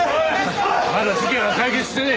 ハッまだ事件は解決してねえ。